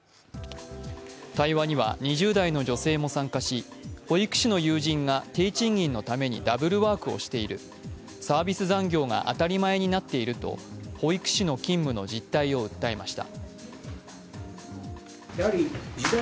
対話には２０代の女性も参加し、保育士の友人が低賃金のためにダブルワークをしている、サービス残業が当たり前になっていると保育士の勤務の実態を訴えました。